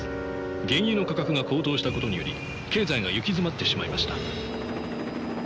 原油の価格が高騰したことにより経済が行き詰まってしまいました」。